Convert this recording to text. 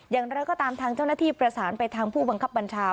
อย่างไรก็ตามทางเจ้าหน้าที่ประสานไปทางผู้บังคับบัญชา